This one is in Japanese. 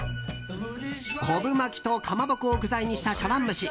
昆布巻きとかまぼこを具材にした茶わん蒸し。